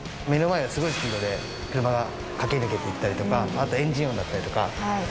目の前をすごいスピードでクルマが駆け抜けていったりとかあとエンジン音だったりとか。